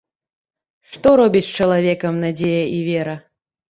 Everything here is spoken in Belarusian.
Што робіць з чалавекам надзея і вера!